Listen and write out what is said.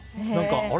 あれ？